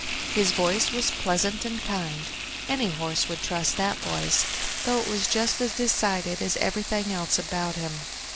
His voice was pleasant and kind; any horse would trust that voice, though it was just as decided as everything else about him.